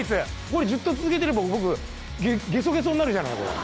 これずっと続けてれば僕ゲソゲソになるじゃないこれ。